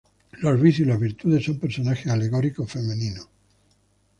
Los vicios y las virtudes son personajes alegóricos femeninos.